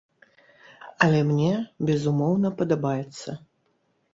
Але мне, безумоўна, падабаецца.